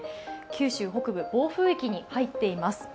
九州北部、暴風域に入っています。